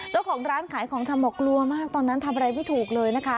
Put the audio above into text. เจ้าของร้านขายของชำบอกกลัวมากตอนนั้นทำอะไรไม่ถูกเลยนะคะ